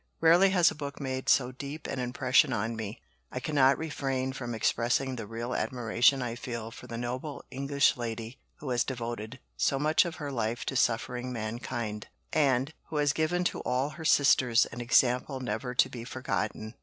Rarely has a book made so deep an impression on me. I cannot refrain from expressing the real admiration I feel for the noble English lady who has devoted so much of her life to suffering mankind, and who has given to all her sisters an example never to be forgotten."